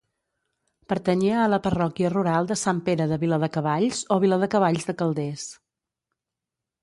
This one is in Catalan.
Pertanyia a la parròquia rural de Sant Pere de Viladecavalls, o Viladecavalls de Calders.